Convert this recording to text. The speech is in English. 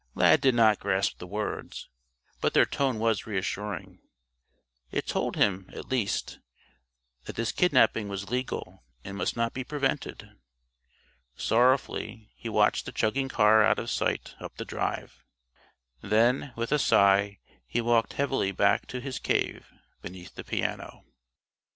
Lad did not grasp the words, but their tone was reassuring. It told him, at least, that this kidnaping was legal and must not be prevented. Sorrowfully he watched the chugging car out of sight, up the drive. Then with a sigh he walked heavily back to his "cave" beneath the piano.